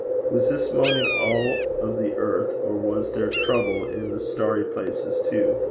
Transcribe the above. Was this moaning all of the earth, or was there trouble in the starry places too?